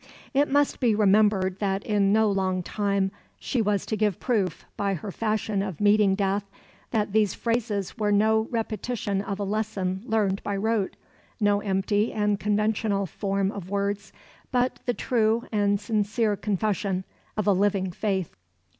It must be remembered that in no long time she was to give proof, by her fashion of meeting death, that these phrases were no repetition of a lesson learned by rote, no empty and conventional form of words, but the true and sincere confession of a living faith.